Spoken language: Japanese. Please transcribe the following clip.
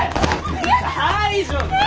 大丈夫！